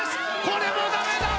これもダメだ！